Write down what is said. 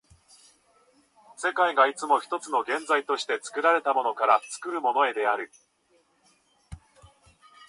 世界がいつも一つの現在として、作られたものから作るものへである。